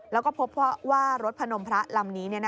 แล้วก็พบเพราะว่ารถพนมพระลำนี้